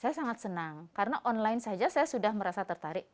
saya sangat senang karena online saja saya sudah merasa tertarik